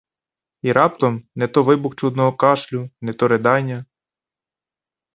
І раптом — не то вибух чудного кашлю, не то ридання.